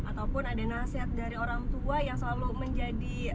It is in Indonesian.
ataupun ada nasihat dari orang tua yang selalu menjadi